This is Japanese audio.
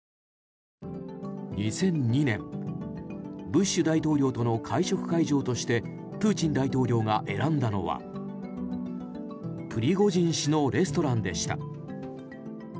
２００２年、ブッシュ大統領との会食会場としてプーチン大統領が選んだのはプリゴジン氏のレストランでした。